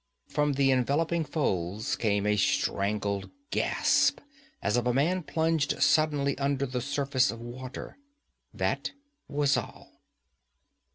From the enveloping folds came a strangled gasp, as of a man plunged suddenly under the surface of water. That was all.